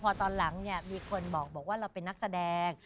พอตอนหลังเนี่ยมีคนบอกว่าเราเป็นนักแสดง